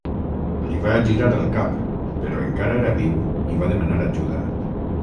Li va girar el cap, però encara era viu i va demanar ajuda.